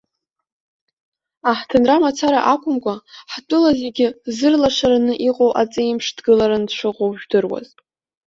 Аҳҭынра амацара акәымкәа, ҳтәыла зегьы зырлашараны иҟоу аҵеимш дгыларан дшыҟоу жәдыруаз.